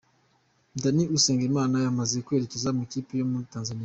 Danny Usengimana yamaze kwerekeza mu ikipe yo muri Tanzania.